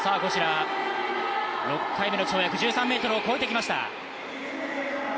６回目の跳躍、１３ｍを越えてきました